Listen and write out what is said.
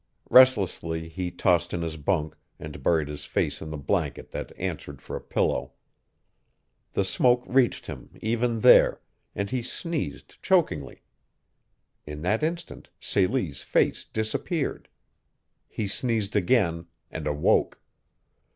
Restlessly he tossed in his bunk, and buried his face in the blanket that answered for a pillow. The smoke reached him; even there, and he sneezed chokingly. In that instant Celie's face disappeared. He sneezed again and awoke.